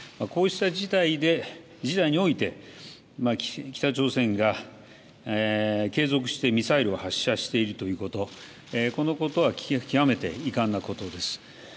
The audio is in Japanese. こうした事態において北朝鮮が継続してミサイルを発射しているということ、このことは極めて遺憾なことです。